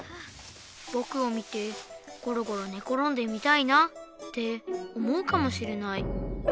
ぼくを見てゴロゴロねころんでみたいなって思うかもしれない。